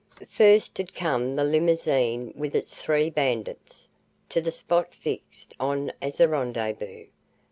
........ First had come the limousine, with its three bandits, to the spot fixed on as a rendezvous.